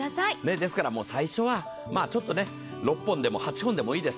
ですから、最初は６本でも８本でもいいです。